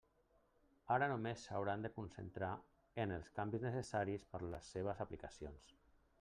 Ara només s'hauran de concentrar en els canvis necessaris per a les seves aplicacions.